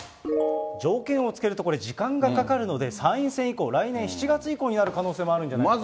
条件をつけると時間がかかるので、参院選、来年７月以降になる可能性もあるんじゃないかなと。